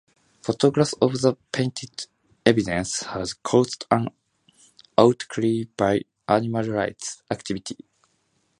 Photographs of the painted evidence had caused an outcry by animal rights activists.